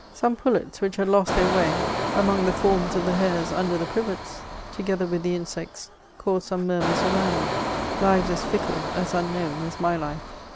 Some pullets which had lost their way among the forms of the hares under the privets, together with the insects, caused some murmurs arouna me ; lives as fickle, as unknown as my life.